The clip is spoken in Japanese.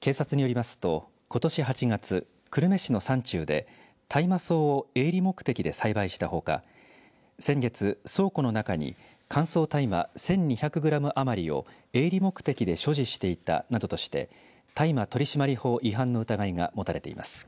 警察によりますと、ことし８月久留米市の山中で大麻草を営利目的で栽培したほか先月、倉庫の中に乾燥大麻１２００グラム余りを営利目的で所持していたなどとして大麻取締法違反の疑いが持たれています。